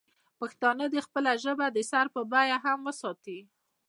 پښتانه دې خپله ژبه د سر په بیه هم وساتي.